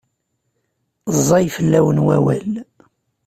Ẓẓay fell-awen wawal.